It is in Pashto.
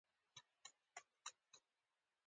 هغې خپله چادري پورې وهله او د سيند خواته لاړه.